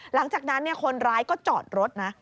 หลังจากนั้นคนร้ายก็จอดรถนะ